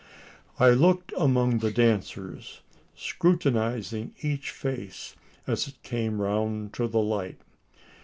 I looked among the dancers scrutinising each face as it came round to the light.